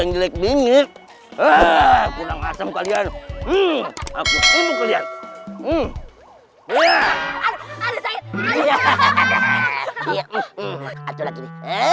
jinjil like bingit di atas pohon hebat banget muka kaget begini